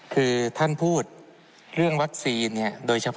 คือท่านพูดเรื่องวัคซีนโดยเฉพาะ